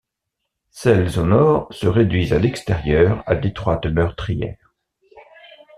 Celles au nord se réduisent à l'extérieur à d'étroites meurtrières.